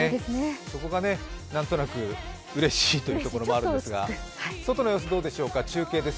そこがね、なんとなくうれしいところもあるんですが、外の様子どうでしょうか、中継です